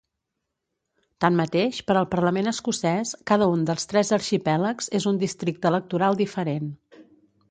Tanmateix, per al Parlament escocès, cada un dels tres arxipèlags és un districte electoral diferent.